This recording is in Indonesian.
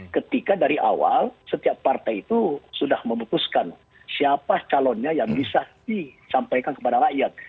ketika dari awal setiap partai itu sudah memutuskan siapa calonnya yang bisa disampaikan kepada rakyat